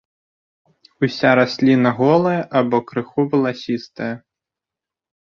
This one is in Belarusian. Уся расліна голая або крыху валасістая.